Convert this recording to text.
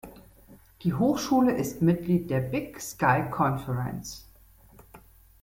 Die Hochschule ist Mitglied der Big Sky Conference.